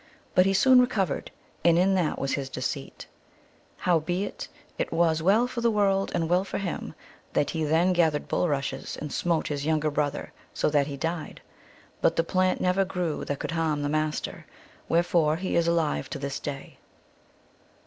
But he soon re covered, and in that was his deceit. Howbeit it was GLOOSKAP THE DIVINITY. 107 well for the world and well for him that he then gathered bulrushes and smote his younger brother, so that he died. But the plant never grew that could harm the Master, wherefore he is alive to this day.